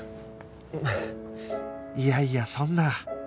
いやいやそんな